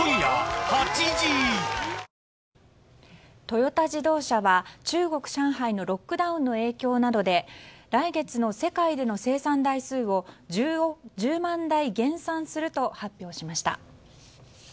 トヨタ自動車は、中国・上海のロックダウンの影響などで来月の世界での生産台数を１０万台減産すると発表しました。